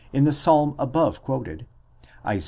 in the Psalm above quoted, Isa.